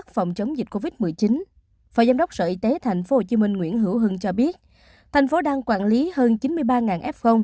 phở giám đốc sở y tế tp hcm nguyễn hữu hưng cho biết thành phố đang quản lý hơn chín mươi ba f